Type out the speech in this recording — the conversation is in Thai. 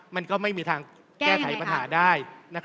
มันก็ไม่มีทางแก้ไขปัญหาได้